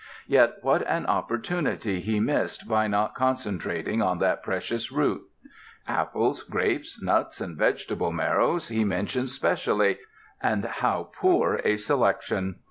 Yet what an opportunity he missed by not concentrating on that precious root. Apples, grapes, nuts, and vegetable marrows he mentions specially and how poor a selection!